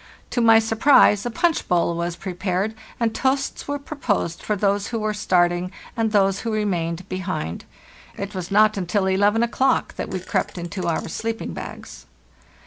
To my surprise a punch bowl was prepared, and toasts were proposed for those who were starting and those who remained behind. It was not until 11 o'clock that we crept into our sleeping bags.